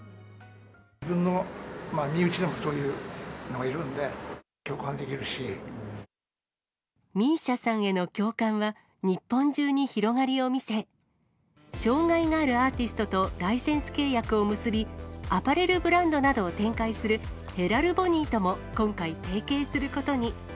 自分の身内でもそういうのがＭＩＳＩＡさんへの共感は、日本中に広がりを見せ、障がいがあるアーティストとライセンス契約を結び、アパレルブランドなどを展開するヘラルボニーとも今回、提携することに。